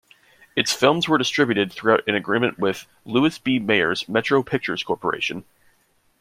Its films were distributed through an agreement with Louis B. Mayer's Metro Pictures Corporation.